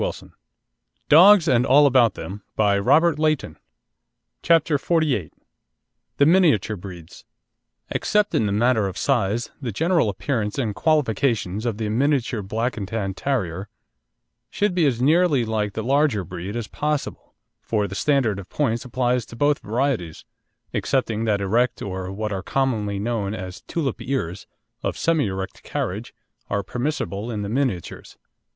PEKINESE CH. CHU ERH OF ALDERBOURNE Photograph by Russell] CHAPTER XLVIII THE MINIATURE BREEDS Except in the matter of size, the general appearance and qualifications of the Miniature Black and Tan Terrier should be as nearly like the larger breed as possible, for the standard of points applies to both varieties, excepting that erect, or what are commonly known as tulip ears, of semi erect carriage, are permissible in the miniatures.